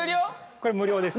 これ無料です。